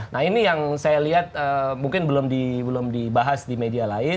nah ini yang saya lihat mungkin belum dibahas di media lain